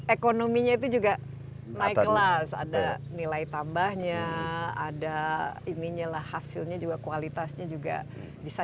ekonominya itu juga naik kelas ada nilai tambahnya ada ininya lah hasilnya juga kualitasnya juga bisa